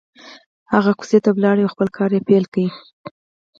هغه کوڅې ته ولاړ او خپل کار يې پيل کړ.